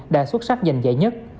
đã xuất sắc dành dạy nhất